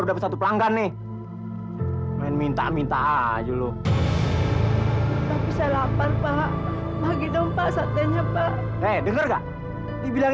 saudara gue aja gak pernah minta sama gue lo